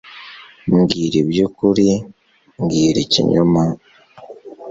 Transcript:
mbwira ibyukuri, mbwira ikinyoma